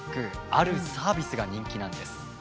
あるサービスが人気なんです。